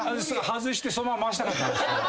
外してそのまま回したかったんすけど。